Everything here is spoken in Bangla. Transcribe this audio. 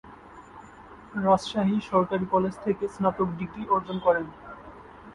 রাজশাহী সরকারি কলেজ থেকে স্নাতক ডিগ্রি অর্জন করেন।